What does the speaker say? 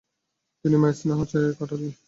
তিনি মায়ের স্নেহ ছায়ায় কাটালেন।